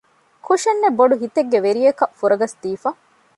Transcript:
ކުށެއްނެތް ބޮޑު ހިތެއްގެ ވެރިޔަކަށް ފުރަގަސް ދީފަ